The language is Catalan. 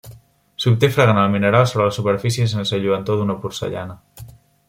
S'obté fregant el mineral sobre la superfície sense lluentor d'una porcellana.